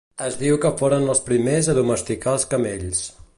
Es diu que foren els primers a domesticar els camells.